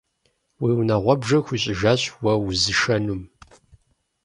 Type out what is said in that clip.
И унагъуэбжэр хуищӏыжащ уэ узышэнум.